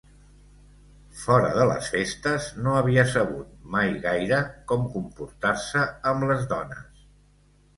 Fora de les festes no havia sabut mai gaire com comportar-se amb les dones.